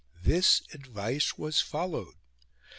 This advice was followed.